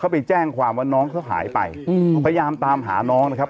เขาไปแจ้งความว่าน้องเขาหายไปอืมพยายามตามหาน้องนะครับ